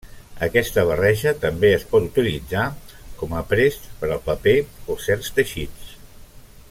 Aquesta barreja també es pot utilitzar com aprest per al paper o certs teixits.